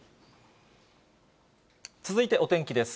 続いてお天気です。